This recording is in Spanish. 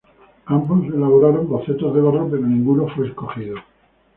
Ambos elaboraron bocetos de barro pero ninguno fue escogido.